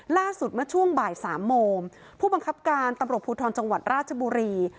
ล่าสุดเมื่อช่วงบ่ายสามโมงผู้บังคับการตำรวจภูทรจังหวัดราชบุรี